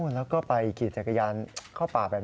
แล้วก็ไปขี่จักรยานเข้าป่าแบบนี้